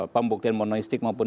pembuktian monoisik maupun